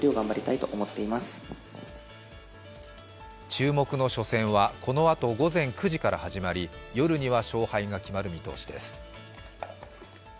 注目の初戦はこのあと午前９時から始まり夜には勝敗が決まる見通しです。